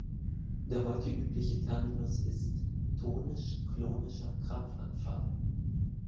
Der heute übliche Terminus ist „tonisch-klonischer Krampfanfall“.